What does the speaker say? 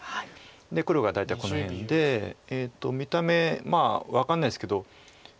黒が大体この辺で見た目分かんないですけど。